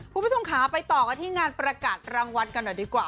คุณผู้ชมค่ะไปต่อกันที่งานประกาศรางวัลกันหน่อยดีกว่า